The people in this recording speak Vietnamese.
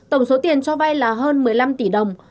tổng số tiền cho vay là hơn một mươi năm tỷ đồng